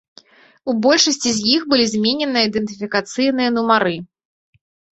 У большасці з іх былі зменены ідэнтыфікацыйныя нумары.